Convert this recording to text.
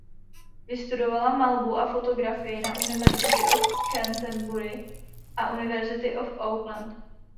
Vystudovala malbu a fotografii na University of Canterbury a University of Auckland.